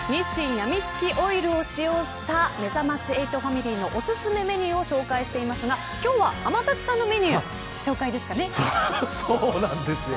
やみつきオイルを使用しためざまし８ファミリーのおすすめメニューを紹介していますが今日は天達さんのメニューの紹介なんですよね。